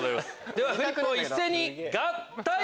ではフリップを一斉に合体！